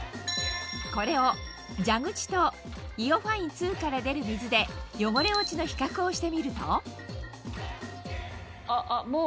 これを蛇口とＩＯファイン２から出る水で汚れ落ちの比較をしてみるとあっもう。